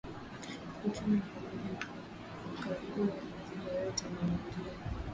ikiwa ni pamoja na kukagua mizigo yote inayoingia